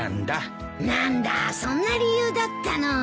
何だそんな理由だったの。